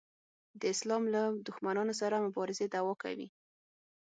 د اسلام له دښمنانو سره مبارزې دعوا کوي.